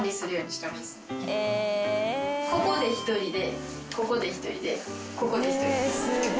ここで１人でここで１人でここで１人です。